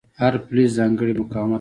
هر فلز ځانګړی مقاومت لري.